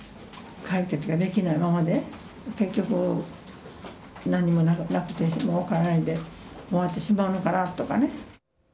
解決ができないままで、結局なんにもなくなって、もう分からないで終わってしまうのかなとかね。